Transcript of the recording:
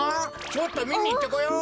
ちょっとみにいってこよう。